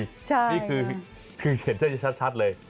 นี่คือเช่นเท่ื่อชัดเลย